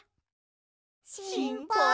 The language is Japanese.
しんぱい。